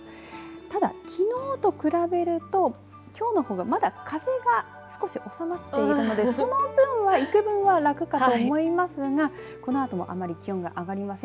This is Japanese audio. ただ、きのうと比べるときょうの方がまだ風が少し収まっていたのでその分は幾分は楽だと思いますがこのあとはあまり気温が上がりません。